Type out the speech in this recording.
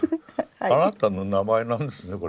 「あなたの名前」なんですねこれ。